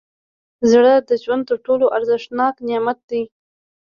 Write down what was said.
زړه د ژوند تر ټولو ارزښتناک نعمت دی.